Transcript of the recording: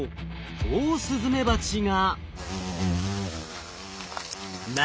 オオスズメバチが。